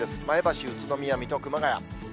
前橋、宇都宮、水戸、熊谷。